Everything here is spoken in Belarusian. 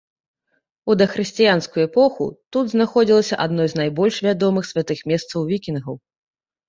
У дахрысціянскую эпоху тут знаходзілася адно з найбольш вядомых святых месцаў вікінгаў.